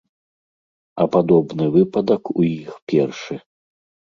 А падобны выпадак у іх першы.